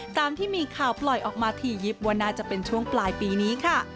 ตามที่มีข่าวปล่อยออกมาถี่ยิบว่าน่าจะเป็นช่วงปลายปีนี้ค่ะ